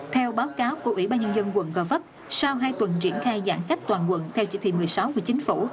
theo báo cáo của ủy ban nhân dân quận gò vấp sau hai tuần triển khai giãn cách toàn quận theo chỉ thị một mươi sáu của chính phủ